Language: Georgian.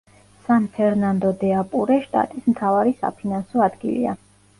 სან-ფერნანდო-დე-აპურე შტატის მთავარი საფინანსო ადგილია.